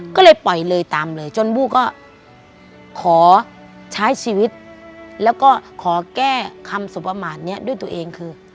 ก็เลยปล่อยเลยตามเลยจนบู้ก็ขอใช้ชีวิตแล้วก็ขอแก้คำสุประมาทนี้ด้วยตัวเองคือ